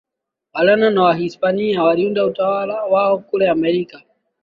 Wareno na Wahispania waliunda utawala wao kule Amerika